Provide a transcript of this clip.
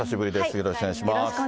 よろしくお願いします。